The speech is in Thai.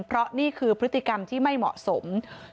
เพราะนี่คือพฤติกรรมที่ไม่เหมาะสม